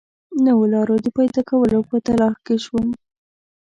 نویو لارو د پیدا کولو په تلاښ کې شوم.